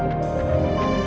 karena ditakutkan ada